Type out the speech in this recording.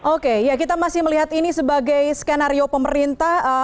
oke ya kita masih melihat ini sebagai skenario pemerintah